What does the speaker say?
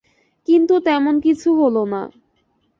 কিন্তু তেমন কিছু হল না।